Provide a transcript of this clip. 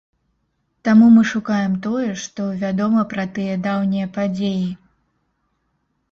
Таму мы шукаем тое, што вядома пра тыя даўнія падзеі.